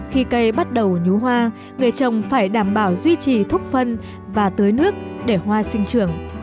khi cây bắt đầu nhú hoa người trồng phải đảm bảo duy trì thuốc phân và tưới nước để hoa sinh trưởng